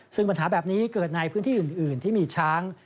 ซึ่งปัญหาแบบนี้เกิดในพื้นที่อื่นที่มีช้าง